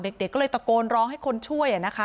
เด็กก็เลยตะโกนร้องให้คนช่วยนะคะ